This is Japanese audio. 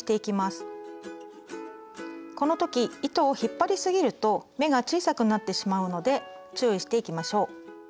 この時糸を引っ張りすぎると目が小さくなってしまうので注意していきましょう。